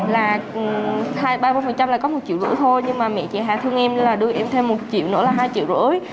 là ba mươi là có một triệu rưỡi thôi nhưng mà mẹ chị hà thương em là đưa em thêm một triệu nữa là hai triệu rưỡi